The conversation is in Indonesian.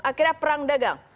akhirnya perang dagang